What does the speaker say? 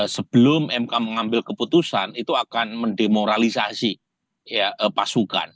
sebelum mk mengambil keputusan itu akan mendemoralisasi pasukan